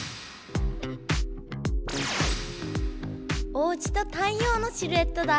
おうちと太ようのシルエットだ。